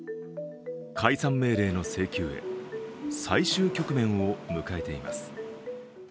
解散命令の請求へ最終局面を迎えています。